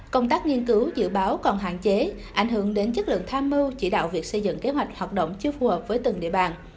công tác nghiên cứu dự báo còn hạn chế ảnh hưởng đến chất lượng tham mưu chỉ đạo việc xây dựng kế hoạch hoạt động chưa phù hợp với từng địa bàn